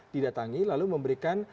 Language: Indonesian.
didatangi lalu memberikan